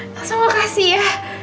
langsung kasih ya